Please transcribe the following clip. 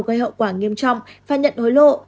gây hậu quả nghiêm trọng và nhận hối lộ